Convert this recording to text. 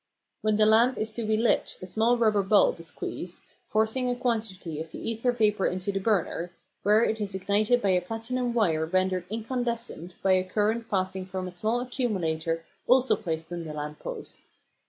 When the lamp is to be lit a small rubber bulb is squeezed, forcing a quantity of the ether vapour into the burner, where it is ignited by a platinum wire rendered incandescent by a current passing from a small accumulator also placed in the lamp post.